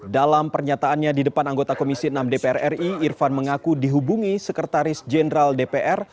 dalam pernyataannya di depan anggota komisi enam dpr ri irfan mengaku dihubungi sekretaris jenderal dpr